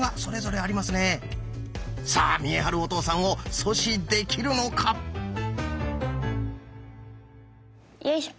さあ見栄晴お父さんを阻止できるのか⁉よいしょ。